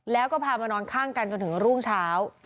แล้วก็พามานอนข้างกันจนถึงรุ่งเช้า